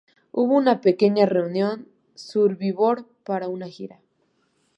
Hubo una pequeña reunión de Survivor para una gira.